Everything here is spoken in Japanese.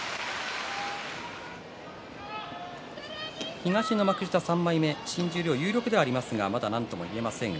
東の幕下３枚目新十両有力ではありますがまだ何とも言えません。